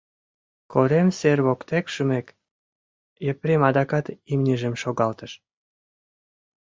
Корем сер воктек шумек, Епрем адакат имньыжым шогалтыш.